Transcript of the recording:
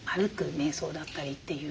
めい想だったりっていう。